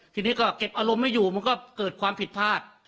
ทีนี้ก็เก็บอารมณ์ไม่อยู่มันก็เกิดความผิดพลาด